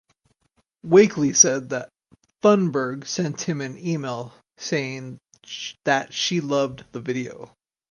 Wakely said that Thunberg sent him an email saying that she loved the video.